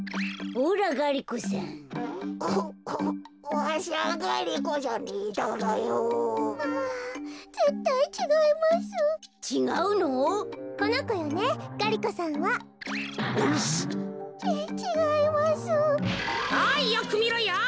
おいよくみろよ。